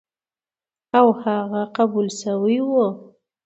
او هغه قبول شوی و،